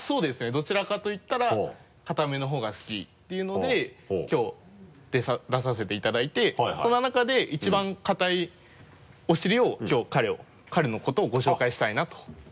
どちらかといったら硬めの方が好きっていうのできょう出させていただいてそんな中で一番硬いお尻をきょう彼を彼のことをご紹介したいなと。